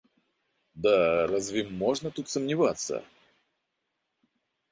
Да, разве можно тут сомневаться?